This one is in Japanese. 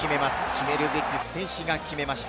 決めるべき選手が決めました。